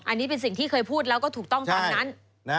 อันนี้เป็นสิ่งที่เคยพูดแล้วก็ถูกต้องตามนั้น